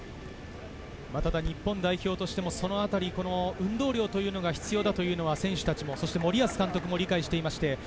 日本代表としてもそのあたり運動量が必要だというのは選手たちも森保監督も理解しています。